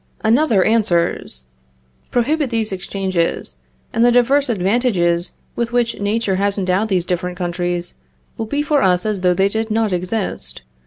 Another answers: Prohibit these exchanges, and the divers advantages with which nature has endowed these different countries, will be for us as though they did not exist.